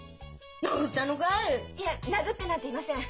いえ殴ってなんていません。